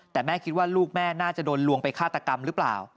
แต่แม่คิดว่าลูกแม่น่าจะโดนลวงไปฆาตกรรมหรือเปล่า